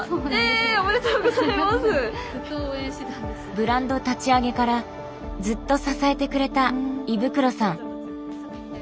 ブランド立ち上げからずっと支えてくれた衣袋さん。